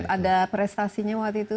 ada prestasinya waktu itu